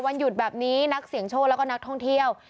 วันหยุดแบบนี้นักเสี่ยงโชคแล้วก็นักท่องเที่ยว